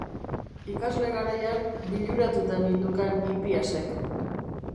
Ikasle garaian, liluratuta nindukan Hipiasek.